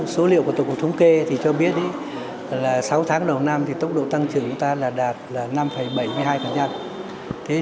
số liệu của tổng cục thống kê cho biết sáu tháng đầu năm tốc độ tăng trưởng đạt năm bảy mươi hai